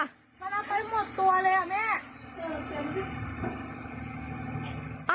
มันเอาไปหมดตัวเลยอ่ะแม่